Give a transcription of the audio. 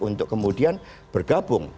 untuk kemudian bergabung